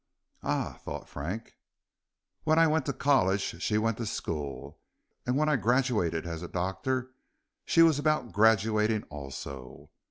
"Ah!" thought Frank. "When I went to college she went to school, and when I graduated as a doctor she was about graduating also.